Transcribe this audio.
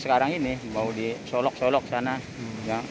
sekarang ini baru disolok solok ke sana